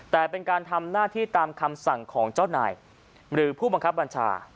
แต่เป็นการทำหน้าที่ตามคำสั่งของเจ้านายหรือผู้บังคับบัญชา